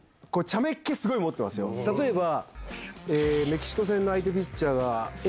例えば。